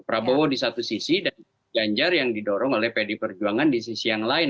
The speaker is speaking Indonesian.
prabowo di satu sisi dan ganjar yang didorong oleh pd perjuangan di sisi yang lain